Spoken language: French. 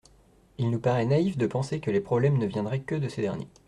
Il nous paraît naïf de penser que les problèmes ne viendraient que de ces derniers.